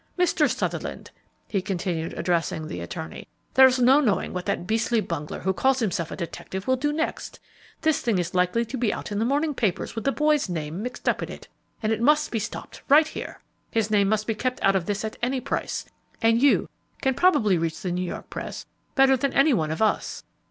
Mr. Sutherland," he continued, addressing the attorney, "there's no knowing what that beastly bungler who calls himself a detective will do next; this thing is likely to be out in the morning papers with the boy's name mixed up in it, and it must be stopped right here. His name must be kept out of this at any price, and you probably can reach the New York press better than any one of us."